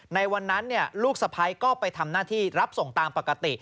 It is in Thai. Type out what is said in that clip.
ในวันนั้นลูกสะพ้ายก็ไปทำหน้าที่รับส่งตามปกติ